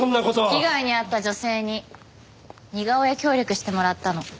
被害に遭った女性に似顔絵協力してもらったの。